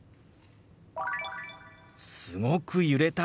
「すごく揺れたね」。